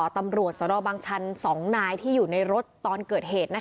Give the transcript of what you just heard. ตำรวจเป็นยังไงตำรวจในรถเป็นยังไง